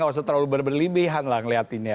gak usah terlalu berlebihan lah ngeliatin ya